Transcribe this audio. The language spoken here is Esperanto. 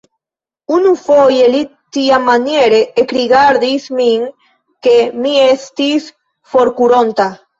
Unufoje li tiamaniere ekrigardis min, ke mi estis forkuronta.